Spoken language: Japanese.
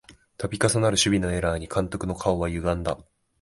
たび重なる守備のエラーに監督の顔はゆがんだ